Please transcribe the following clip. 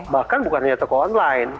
bahkan bukan hanya toko online